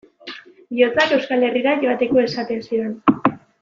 Bihotzak Euskal Herrira joateko esaten zidan.